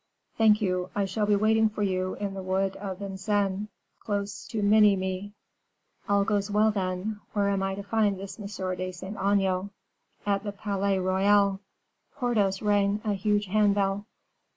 "Thank you. I shall be waiting for you in the wood of Vincennes, close to Minimes." "All goes well, then. Where am I to find this M. de Saint Aignan?" "At the Palais Royal." Porthos ran a huge hand bell.